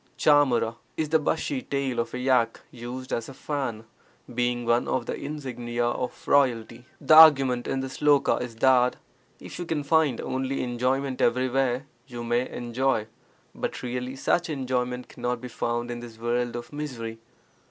^H< is the bushy tail of a yak used as a fan, being one of the insignia of royalty. The argument in this sloka is that if you can find only enjoyment everywhere, you may enjoy, but really such enjoyment cannot be found in this world of misery.